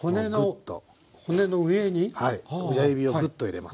はい親指をグッと入れます。